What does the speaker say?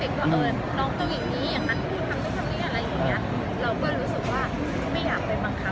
มีโครงการทุกทีใช่ไหม